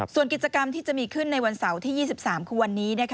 ส่วนกิจกรรมที่จะมีขึ้นในวันเสาร์ที่๒๓คือวันนี้